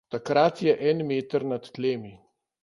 Takrat je en meter nad tlemi.